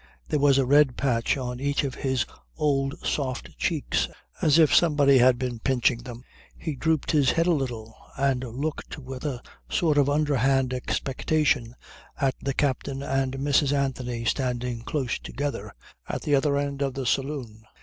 There was a red patch on each of his old soft cheeks as if somebody had been pinching them. He drooped his head a little, and looked with a sort of underhand expectation at the captain and Mrs. Anthony standing close together at the other end of the saloon.